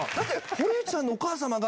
堀内さんのお母様が。